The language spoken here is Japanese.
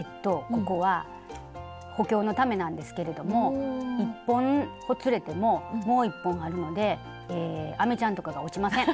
ここは補強のためなんですけれども１本ほつれてももう１本あるのでえアメちゃんとかが落ちません！